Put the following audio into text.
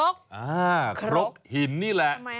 ครกหินนี่แหละ